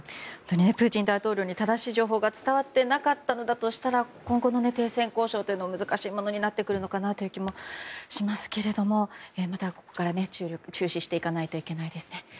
プーチン大統領に正しい情報が伝わってなかったとしたら今後の停戦交渉が難しいものになってくるのかなという気もしますけどまだ、ここから注視していかないといけないですね。